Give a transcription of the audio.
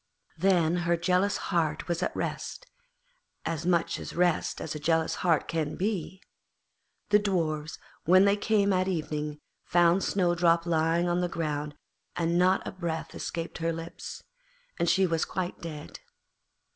Then her jealous heart was at rest, as much at rest as a jealous heart can be. The Dwarfs, when they came at evening, found Snowdrop lying on the ground and not a breath escaped her lips, and she was quite dead.